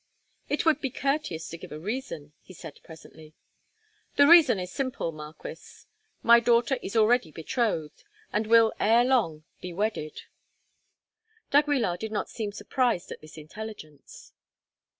"It would be courteous to give a reason," he said presently. "The reason is simple, Marquis. My daughter is already betrothed, and will ere long be wedded." d'Aguilar did not seem surprised at this intelligence.